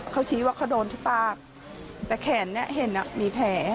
เขาชี้ว่าเขาโดนที่ปากแต่แขนเนี่ยเห็นมีแผล